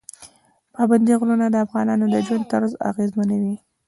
پابندی غرونه د افغانانو د ژوند طرز اغېزمنوي.